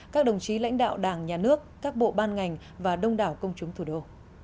các đồng chí lãnh đạo đảng nhà nước các bộ ban ngành và đông đảo công chúng thủ đô